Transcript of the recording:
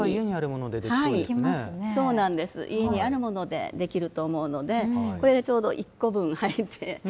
家にあるものでできると思うのでこれでちょうど１個分入って。